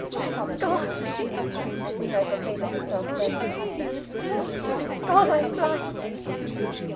"Thank God," we heard her say to herself fervently "Thank God, I am blind."